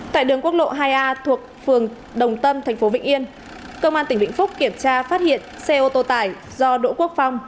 tại đường quốc lộ hai a thuộc phường đồng tâm thành phố vĩnh yên công an tỉnh vĩnh phúc kiểm tra phát hiện xe ô tô tải do đỗ quốc phong